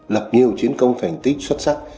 lập nhiều chiến công thành tích xuất sắc